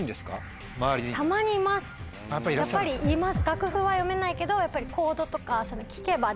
やっぱりいます。